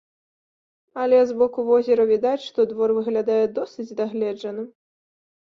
Але з боку возера відаць, што двор выглядае досыць дагледжаным.